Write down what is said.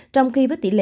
trong khi với tỷ lệ